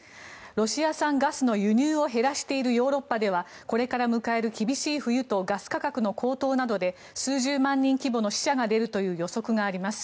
ロシア産ガスの輸入を減らしているヨーロッパではこれから迎える厳しい冬とガス価格の高騰などで数十万人規模の死者が出るという予測があります。